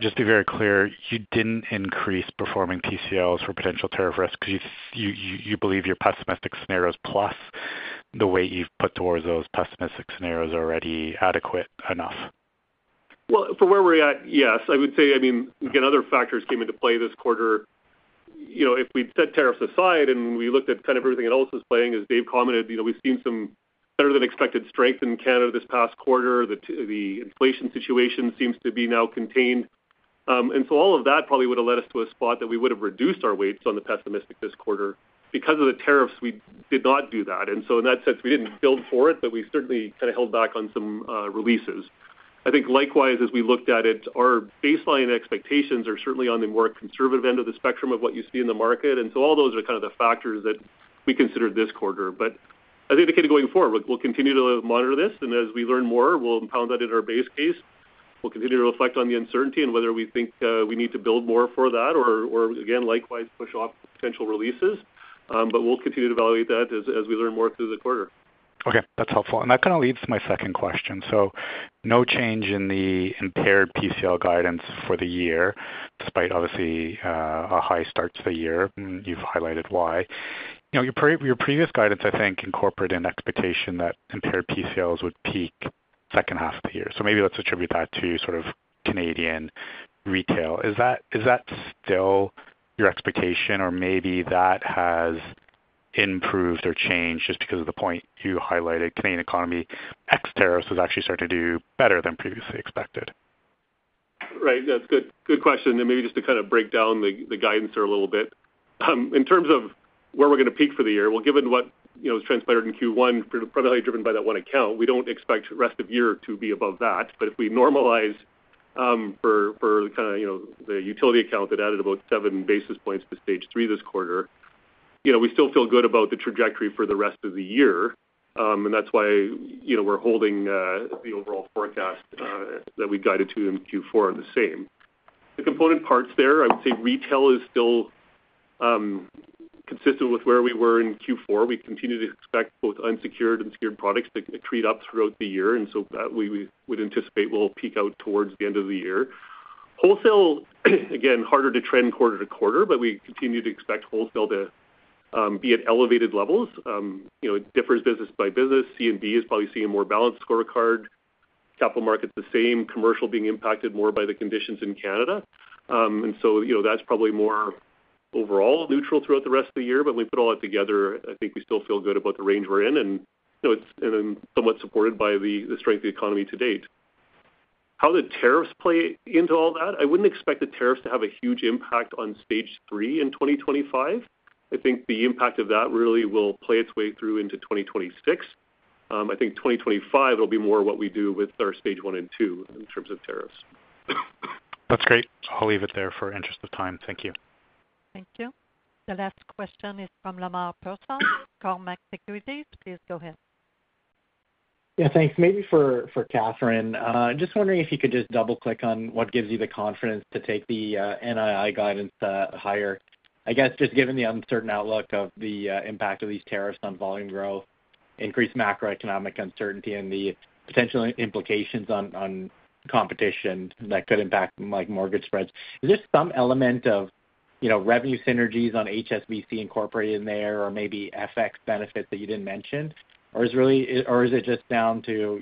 [SPEAKER 10] just to be very clear, you didn't increase performing PCLs for potential tariff risk because you believe your pessimistic scenarios plus the weight you've put towards those pessimistic scenarios are already adequate enough.
[SPEAKER 5] Well, for where we're at, yes. I would say, I mean, again, other factors came into play this quarter. If we'd set tariffs aside and we looked at kind of everything else that's playing, as Dave commented, we've seen some better-than-expected strength in Canada this past quarter. The inflation situation seems to be now contained. And so all of that probably would have led us to a spot that we would have reduced our weights on the pessimistic this quarter. Because of the tariffs, we did not do that. And so in that sense, we didn't build for it, but we certainly kind of held back on some releases. I think likewise, as we looked at it, our baseline expectations are certainly on the more conservative end of the spectrum of what you see in the market. And so all those are kind of the factors that we considered this quarter. But as indicated going forward, we'll continue to monitor this. And as we learn more, we'll pound that in our base case. We'll continue to reflect on the uncertainty and whether we think we need to build more for that or, again, likewise, push off potential releases. But we'll continue to evaluate that as we learn more through the quarter.
[SPEAKER 10] Okay. That's helpful. And that kind of leads to my second question. No change in the impaired PCL guidance for the year, despite obviously a high start to the year. You've highlighted why. Your previous guidance, I think, incorporated an expectation that impaired PCLs would peak second half of the year. So maybe let's attribute that to sort of Canadian retail. Is that still your expectation, or maybe that has improved or changed just because of the point you highlighted? Canadian economy ex tariffs is actually starting to do better than previously expected.
[SPEAKER 3] Right. That's a good question. And maybe just to kind of break down the guidance here a little bit. In terms of where we're going to peak for the year, well, given what was transpired in Q1, primarily driven by that one account, we don't expect rest of year to be above that. but if we normalize for kind of the utility account that added about seven basis points to stage three this quarter, we still feel good about the trajectory for the rest of the year. and that's why we're holding the overall forecast that we guided to in Q4 the same. The component parts there, I would say retail is still consistent with where we were in Q4. We continue to expect both unsecured and secured products to creep up throughout the year. and so we would anticipate we'll peak out towards the end of the year. Wholesale, again, harder to trend quarter to quarter, but we continue to expect wholesale to be at elevated levels. It differs business by business. C&D is probably seeing a more balanced scorecard. Capital markets the same, commercial being impacted more by the conditions in Canada. And so that's probably more overall neutral throughout the rest of the year. But when we put all that together, I think we still feel good about the range we're in, and it's somewhat supported by the strength of the economy to date. How the tariffs play into all that? I wouldn't expect the tariffs to have a huge impact on stage three in 2025. I think the impact of that really will play its way through into 2026. I think 2025, it'll be more what we do with our stage one and two in terms of tariffs.
[SPEAKER 10] That's great. I'll leave it there in the interest of time. Thank you.
[SPEAKER 1] Thank you. The last question is from Lemar Persaud, Cormark Securities. Please go ahead.
[SPEAKER 11] Yeah, thanks. Maybe for Katherine, just wondering if you could just double-click on what gives you the confidence to take the NII guidance higher. I guess just given the uncertain outlook of the impact of these tariffs on volume growth, increased macroeconomic uncertainty, and the potential implications on competition that could impact mortgage spreads, is there some element of revenue synergies on HSBC integration in there or maybe FX benefits that you didn't mention? Or is it just down to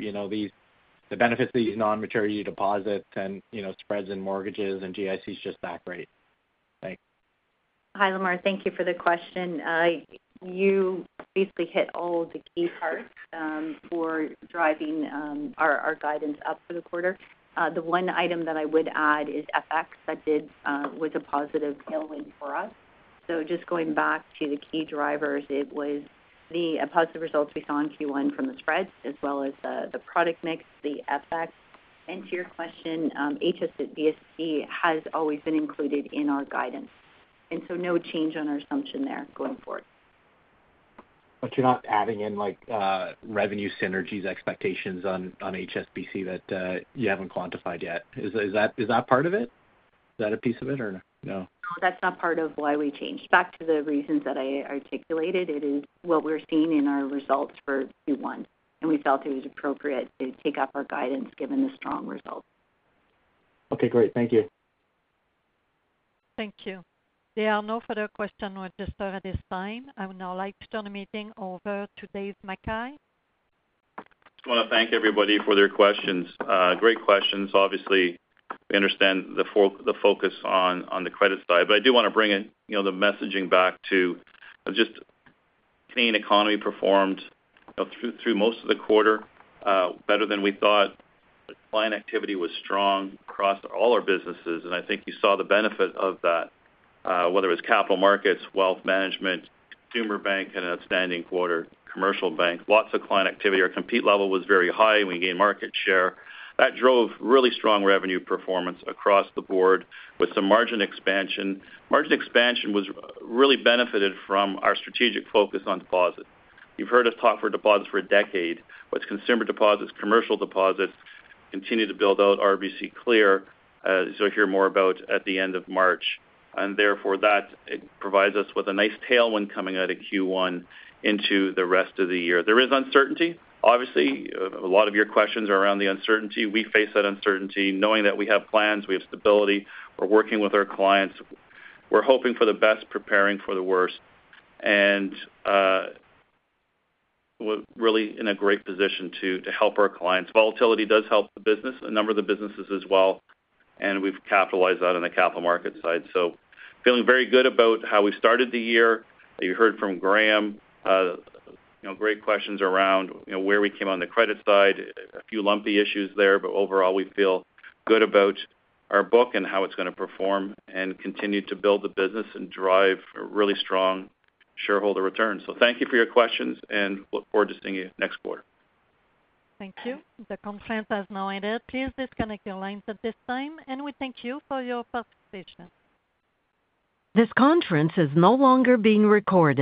[SPEAKER 11] the benefits of these non-maturity deposits and spreads and mortgages and GICs just that great? Thanks.
[SPEAKER 4] Hi, Lemar. Thank you for the question. You basically hit all the key parts for driving our guidance up for the quarter. The one item that I would add is FX that was a positive tailwind for us. So just going back to the key drivers, it was the positive results we saw in Q1 from the spreads as well as the product mix, the FX. And to your question, HSBC has always been included in our guidance. And so no change on our assumption there going forward.
[SPEAKER 11] But you're not adding in revenue synergies expectations on HSBC that you haven't quantified yet. Is that part of it? Is that a piece of it or no? No.
[SPEAKER 4] That's not part of why we changed. Back to the reasons that I articulated, it is what we're seeing in our results for Q1. And we felt it was appropriate to take up our guidance given the strong results.
[SPEAKER 11] Okay. Great. Thank you.
[SPEAKER 1] Thank you. There are no further questions registered at this time. I would now like to turn the meeting over to Dave McKay.
[SPEAKER 3] I just want to thank everybody for their questions. Great questions. Obviously, we understand the focus on the credit side. But I do want to bring the messaging back to just Canadian economy performed through most of the quarter better than we thought. Client activity was strong across all our businesses. And I think you saw the benefit of that, whether it was Capital Markets, Wealth Management, consumer bank in an outstanding quarter, commercial bank, lots of client activity. Our competition level was very high. We gained market share. That drove really strong revenue performance across the board with some margin expansion. Margin expansion was really benefited from our strategic focus on deposits. You've heard us talk about deposits for a decade, but consumer deposits, commercial deposits continue to build out RBC Clear. You'll hear more about it at the end of March. And therefore, that provides us with a nice tailwind coming out of Q1 into the rest of the year. There is uncertainty. Obviously, a lot of your questions are around the uncertainty. We face that uncertainty knowing that we have plans, we have stability, we're working with our clients. We're hoping for the best, preparing for the worst, and we're really in a great position to help our clients. Volatility does help the business, a number of the businesses as well, and we've capitalized that on the capital market side, so feeling very good about how we started the year. You heard from Graeme. Great questions around where we came on the credit side. A few lumpy issues there, but overall, we feel good about our book and how it's going to perform and continue to build the business and drive really strong shareholder returns, so thank you for your questions, and look forward to seeing you next quarter.
[SPEAKER 1] Thank you. The conference has now ended. Please disconnect your lines at this time, and we thank you for your participation. This conference is no longer being recorded.